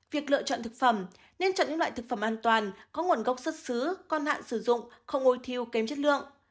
việc lựa chọn thực phẩm nên chọn những loại thực phẩm an toàn có nguồn gốc xuất xứ còn hạn sử dụng không ôi thiêu kém chất lượng